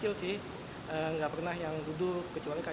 alasannya karena kalau duduk itu tapi gak nopang langsung